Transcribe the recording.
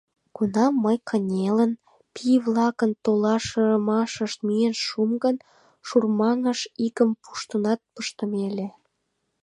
Кунам мый кынелын, пий-влакын толашымашышт миен шуым гын, шурмаҥыш игым пуштынат пыштыме ыле.